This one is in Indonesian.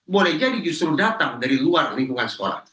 boleh jadi justru datang dari luar lingkungan sekolah